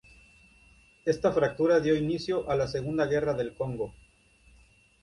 Ésta fractura dio inicio a la Segunda Guerra del Congo.